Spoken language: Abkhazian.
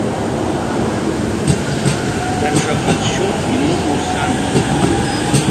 Даҽа ҟазшьоуп илымоу сан.